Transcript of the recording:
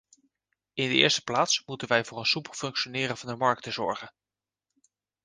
In de eerste plaats moeten wij voor een soepel functioneren van de markten zorgen.